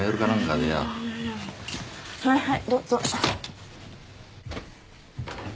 はいはいどうぞ。